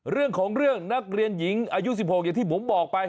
เรื่องของเรื่องนักเรียนหญิงอายุ๑๖อย่างที่ผมบอกไป